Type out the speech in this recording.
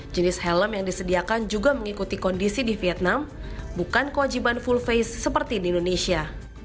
jenis helm yang disediakan juga mengikuti kondisi di vietnam bukan kewajiban full face seperti di indonesia